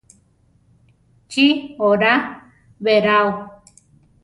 ¿Chi oraa beráo?